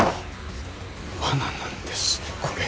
罠なんですこれ。